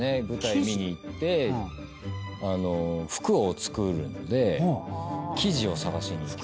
舞台見に行って服を作るので生地を探しに。